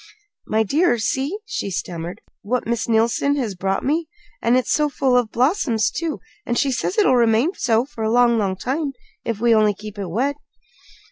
"My dear, see," she stammered, "what Miss Neilson has brought me. And it's so full of blossoms, too! And she says it'll remain so for a long, long time if we'll only keep it wet."